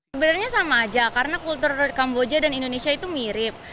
sebenarnya sama aja karena kultur kamboja dan indonesia itu mirip